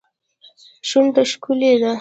شونډه ښکلې دي.